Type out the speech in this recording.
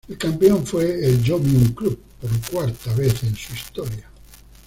El campeón fue el Yomiuri Club, por cuarta vez en su historia.